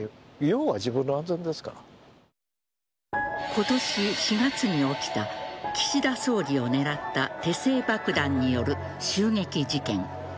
今年４月に起きた岸田総理を狙った手製爆弾による襲撃事件。